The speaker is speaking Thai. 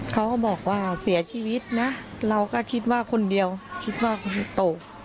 เขาก็บอกว่าเสียชีวิตนะเราก็คิดว่าคนเดียวคิดว่าคนโต